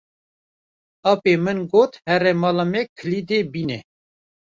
Apê min got here mala me kilîdê bîne.